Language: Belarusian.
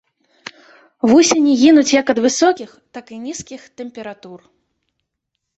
Вусені гінуць як ад высокіх, так і нізкіх тэмператур.